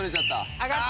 上がって。